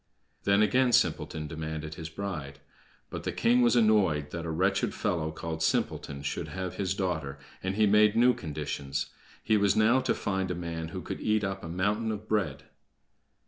Then again Simpleton demanded his bride. But the king was annoyed that a wretched fellow called "Simpleton" should have his daughter, and he made new conditions. He was now to find a man who could eat up a mountain of bread.